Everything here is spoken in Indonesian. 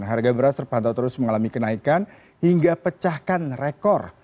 harga beras terpantau terus mengalami kenaikan hingga pecahkan rekor